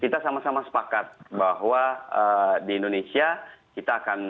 dilakukan dan ada yang sudah dilakukan kita sama sama sepakat bahwa di indonesia kita akan